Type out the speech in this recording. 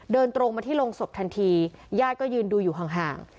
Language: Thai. ตรงมาที่โรงศพทันทีญาติก็ยืนดูอยู่ห่าง